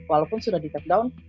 walaupun sudah di tapdown